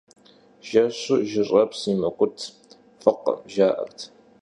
Жэщу жьыщӀэпс иумыкӀут, фӀыкъым, жаӀэрт.